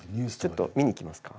ちょっと見に行きますか？